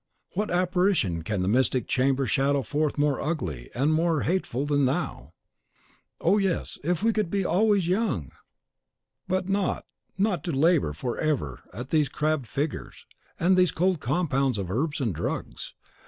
What apparition can the mystic chamber shadow forth more ugly and more hateful than thou? Oh, yes, if we could be always young! But not [thinks the neophyte now] not to labour forever at these crabbed figures and these cold compounds of herbs and drugs.